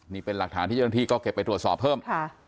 นี่เป็นหลักฐานที่เจ้าหน้าที่ก็เก็บไปตรวจสอบเพิ่ม